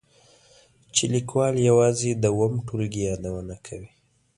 چې لیکوال یوازې د اووم ټولګي یادونه کوي.